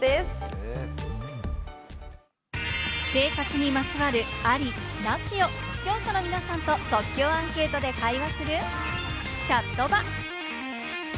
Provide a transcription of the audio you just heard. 生活にまつわる、あり・なしを視聴者の皆さんと即興アンケートで会話するチャットバ。